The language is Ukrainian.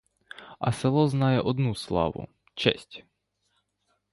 А село знає одну славу — честь.